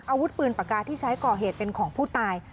อาวุธปืนปากกาที่ใช้ก่อเหตุเป็นของผู้ตาย